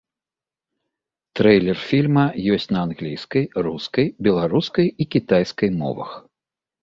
Трэйлер фільма ёсць на англійскай, рускай, беларускай і кітайскай мовах.